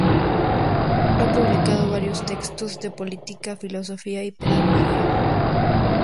Ha publicado varios textos de política, filosofía y pedagogía.